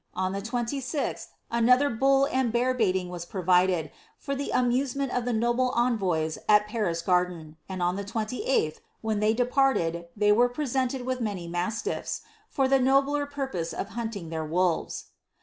On the 26th, another bull and bear baiting was provided, for the amuse ment of tlie noble envoy? at Paris garden, and on llie 28lh, when they departed, [hey wert jitcsemed with many inasilffii, for ihe uobler pur poee of hunting their wolves.'